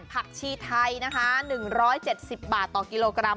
ผักชีไทยนะคะ๑๗๐บาทต่อกิโลกรัม